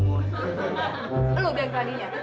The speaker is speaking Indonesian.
lu yang keladinya